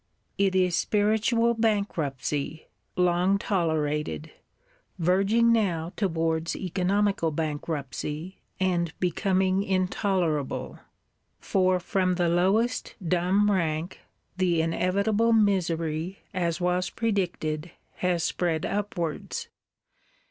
It is Spiritual Bankruptcy, long tolerated; verging now towards Economical Bankruptcy, and become intolerable. For from the lowest dumb rank, the inevitable misery, as was predicted, has spread upwards.